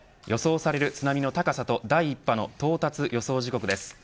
予想される津波の高さと第１波の到達予想時刻です。